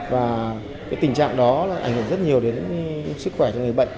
và cái tình trạng đó ảnh hưởng rất nhiều đến sức khỏe cho người bệnh